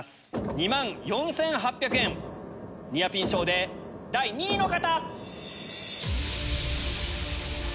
２万４８００円ニアピン賞で第２位の方！